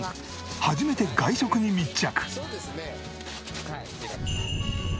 初めて外食に密着！